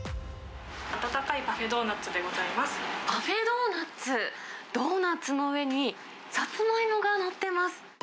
温かいパフェドーナッツでごパフェドーナッツ、ドーナツの上に、さつまいもが載ってます。